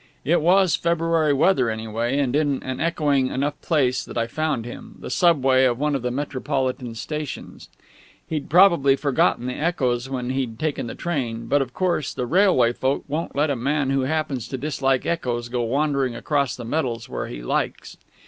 It was February weather, anyway, and in an echoing enough place that I found him the subway of one of the Metropolitan stations. He'd probably forgotten the echoes when he'd taken the train; but, of course, the railway folk won't let a man who happens to dislike echoes go wandering across the metals where he likes.